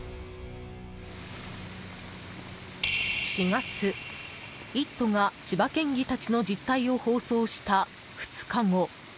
４月、「イット！」が千葉県議たちの実態を放送した２日後。